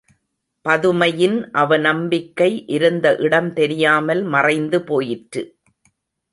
பதுமையின் அவநம்பிக்கை இருந்த இடம் தெரியாமல் மறைந்து போயிற்று.